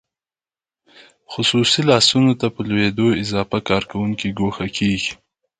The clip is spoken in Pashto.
خصوصي لاسونو ته په لوېدو اضافه کارکوونکي ګوښه کیږي.